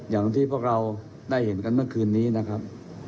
อย่างที่พวกเราได้เห็นกันเมื่อคืนนี้นะครับ